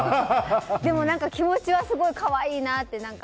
でも、気持ちはすごい可愛いなって。